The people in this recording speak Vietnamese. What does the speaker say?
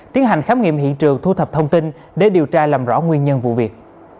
tiến hành khám nghiệm hiện trường thu thập thông tin để điều tra làm rõ nguyên nhân vụ việc